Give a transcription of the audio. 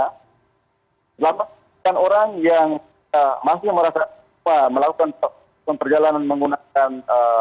selamatkan orang yang masih merasa melakukan perjalanan menggunakan